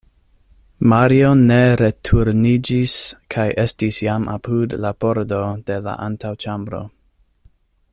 Mario ne returniĝis kaj estis jam apud la pordo de la antaŭĉambro.